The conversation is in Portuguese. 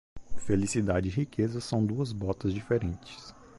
Felicidade e riqueza são duas botas diferentes.